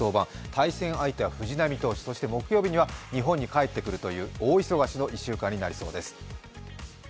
対戦相手は藤浪投手、そして木曜日には日本に帰ってくるという大忙しの１週間になりそうです。